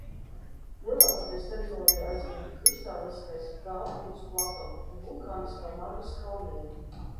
Lielākoties teritoriju aizņem kristāliskais Dārfūras plato un vulkāniskā Marras kalniene.